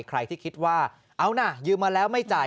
ใครที่คิดว่าเอานะยืมมาแล้วไม่จ่าย